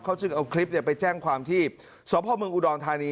เขาจึงเอาคลิปไปแจ้งความที่สพเมืองอุดรธานี